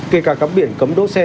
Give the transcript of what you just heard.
kể cả cắm biển cấm đỗ xe